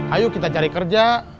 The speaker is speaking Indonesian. ayu kita cari kerja